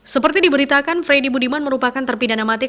seperti diberitakan freddy budiman merupakan terpidana mati